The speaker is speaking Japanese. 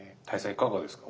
いかがですか？